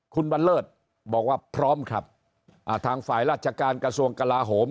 คุณบันเลิศบอกว่าพร้อมครับอ่าทางฝ่ายราชการกระทรวงกลาโหม